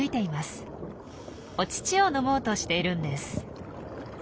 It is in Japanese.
お乳を飲もうとしているんです。